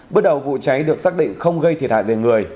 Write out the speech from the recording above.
bước đầu vụ cháy được xác định không gây thiệt hại về người